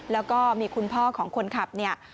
แล้วก็มีคุณพ่อของคนขับเนี่ย